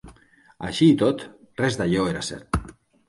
Així i tot, res d'allò era cert.